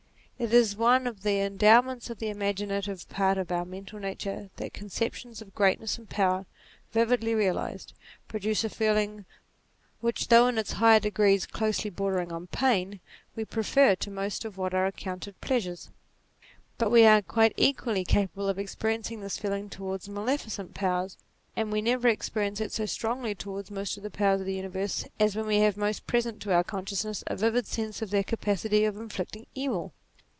It is one of the endowments of the imagina tive part of our mental nature that conceptions of greatness and power, vividly realized, produce a feeling which though in its higher degrees closely bordering on pain, we prefer to most of what are accounted pleasures. But we are quite equally capable of experiencing this feeling towards male ficent power ; and we never experience it so strongly towards most of the powers of the universe, as when we have most present to our consciousness a vivid sense of their capacity of inflicting evil.